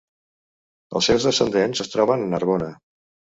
Els seus descendents es troben a Narbona.